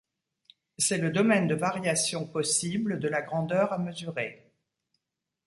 C'est le domaine de variation possible de la grandeur à mesurer.